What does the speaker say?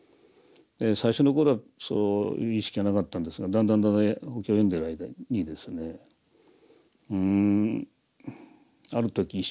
最初の頃はそういう意識がなかったんですがだんだんだんだんお経を読んでる間にですねある時一生懸命読むわけです